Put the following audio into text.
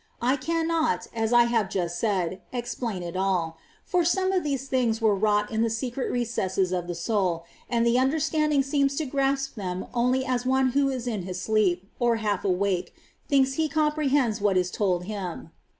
I cannot, as I have just said, explain it at all ; for some of these things were wrought in the secret recesses of the soul, and the understanding seems to grasp them only as one who in his sleep, or half awake, thinks he com prehends what is told him.